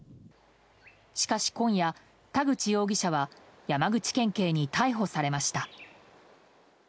しかし今夜、田口容疑者は山口県警に逮捕されました。